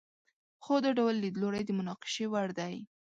خو دا ډول لیدلوری د مناقشې وړ دی.